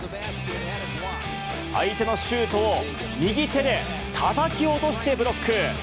相手のシュートを右手でたたき落としてブロック。